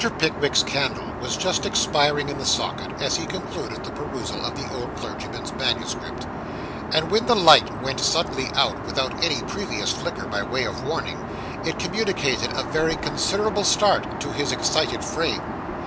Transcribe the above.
Pickwick's candle was just expiring in the socket, as he concluded the perusal of the old clergyman's manuscript; and when the light went suddenly out, without any previous flicker by way of warning, it communicated a very considerable start to his excited frame.